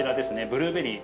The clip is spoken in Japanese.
ブルーベリー。